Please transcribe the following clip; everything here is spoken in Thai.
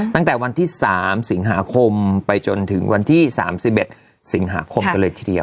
ตั้งแต่วันที่๓สิงหาคมไปจนถึงวันที่๓๑สิงหาคมกันเลยทีเดียว